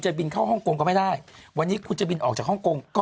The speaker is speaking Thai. บินเข้าฮ่องกงก็ไม่ได้วันนี้คุณจะบินออกจากฮ่องกงก็